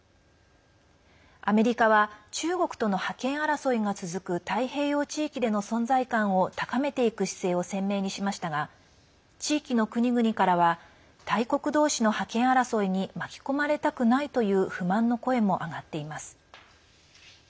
アメリカは中国との覇権争いが続く太平洋地域での存在感を高めていく姿勢を鮮明にしましたが地域の国々からは大国同士の覇権争いに巻き込まれたくないという不満の声も上がっています。